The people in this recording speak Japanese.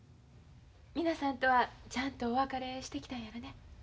皆さんとはちゃんとお別れしてきたんやろね。